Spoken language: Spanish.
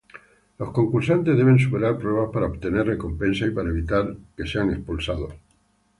Los concursantes deben superar pruebas para obtener recompensas y para evitar ser expulsados.